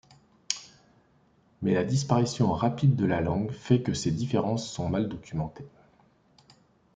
Mais la disparition rapide de la langue fait que ces différences sont mal documentées.